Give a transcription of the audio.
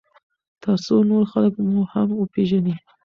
ترڅو نور خلک مو هم وپیژني.